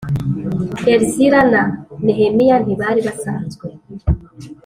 erzira na nehemiya ntibari basazwe